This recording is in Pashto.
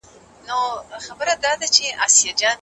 موږ پخپله باید لاسونه راونغاړو.